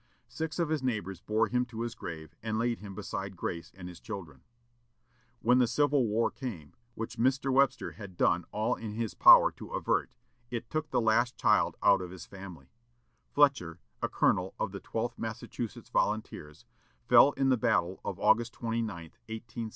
Six of his neighbors bore him to his grave and laid him beside Grace and his children. When the Civil War came, which Mr. Webster had done all in his power to avert, it took the last child out of his family: Fletcher, a colonel of the Twelfth Massachusetts volunteers, fell in the battle of August 29, 1862, near Bull Run.